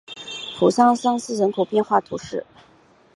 普莱桑斯人口变化图示